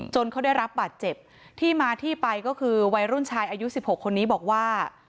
เขาได้รับบาดเจ็บที่มาที่ไปก็คือวัยรุ่นชายอายุ๑๖คนนี้บอกว่า